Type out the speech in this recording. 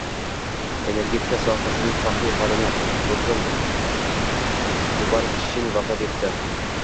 Energetika sohasining faxriy xodimi Ruslan Mubarakshin vafot etdi